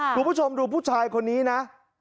คุณผู้ชมดูผู้ชายคนนี้นะ